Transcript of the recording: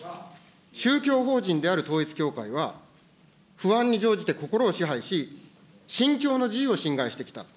宗教法人である統一教会は、不安に乗じて心を支配し、信教の自由を侵害してきた。